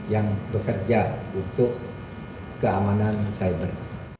yang bekerja untuk keamanan cyber